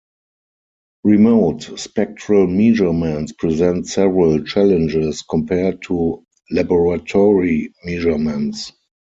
Remote spectral measurements present several challenges compared to laboratory measurements.